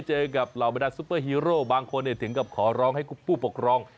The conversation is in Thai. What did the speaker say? เจอกับเหล่าบรรดาซุปเปอร์ฮีโร่บางคนถึงกับขอร้องให้ผู้ปกครอง